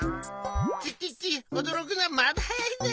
チッチッチッおどろくのはまだはやいぜ。